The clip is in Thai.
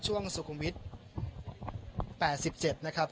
ช่วงสุขุมวิทย์แปดสิบเจ็ดนะครับ